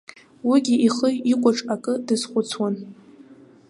Уигьы ихы икәаҽ акы дазхәыцуан.